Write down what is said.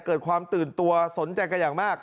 เกิดความตื่นตัวสนใจกันอย่างมาก